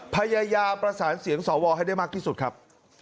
พยายามประสานเสียงสวให้ได้มากที่สุดครับ